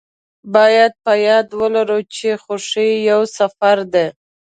باید په یاد ولرو چې خوښي یو سفر دی.